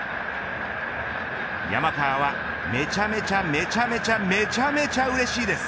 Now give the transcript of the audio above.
山川はめちゃめちゃめちゃめちゃめちゃめちゃうれしいです。